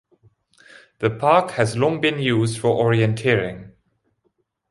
The park has long been used for orienteering.